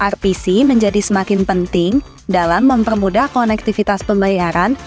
rpc menjadi semakin penting dalam mempermudah konektivitas pembayaran